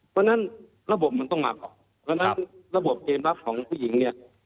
เพราะฉะนั้นระบบมันต้องมาก่อนเพราะฉะนั้นระบบเกมรับของผู้หญิงเนี่ย